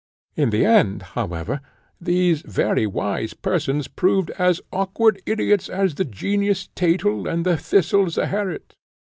In the end, however, these very wise persons proved as awkward ideots as the Genius, Thetel, and the Thistle, Zeherit.